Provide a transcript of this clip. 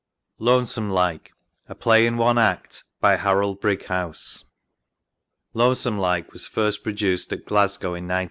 LONESOME LIKE A PLAY IN ONE ACT By HAROLD BRIGHOUSE "Lonesome Like" was first produced at Glasgow in 1911.